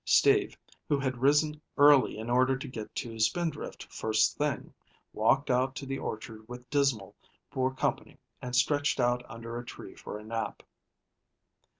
Steve, who had risen early in order to get to Spindrift first thing, walked out to the orchard with Dismal for company and stretched out under a tree for a nap.